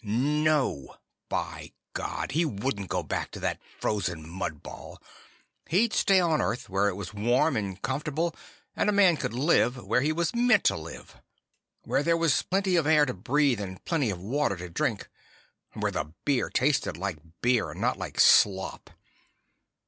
No, by God! He wouldn't go back to that frozen mud ball! He'd stay on Earth, where it was warm and comfortable and a man could live where he was meant to live. Where there was plenty of air to breathe and plenty of water to drink. Where the beer tasted like beer and not like slop.